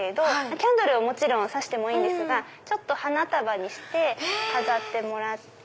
キャンドルはもちろん挿してもいいんですが花束にして飾ってもらって。